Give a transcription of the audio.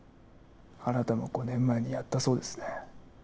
あなたも５年前にやったそうですね。